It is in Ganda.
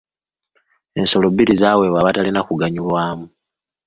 Ensolo bbiri zaaweebwa abatalina kuganyulwamu.